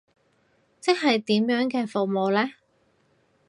即係點樣嘅服務呢？